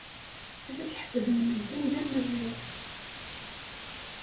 Ad k-ḥesben medden d amerray.